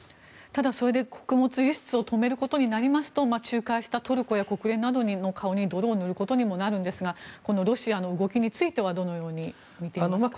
ただ、それで穀物輸出を止めることになりますと仲介したトルコや国連などの顔に泥を塗ることにもなるんですがロシアの動きについてはどのようにみていますか？